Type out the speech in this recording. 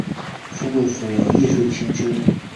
富贵浮云，艺术千秋